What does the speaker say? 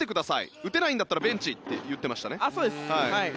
打てないんだったらベンチって言ってましたね。